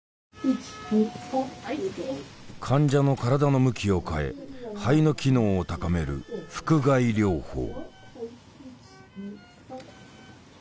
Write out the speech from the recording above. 患者の体の向きを変え肺の機能を高める腹臥位療法。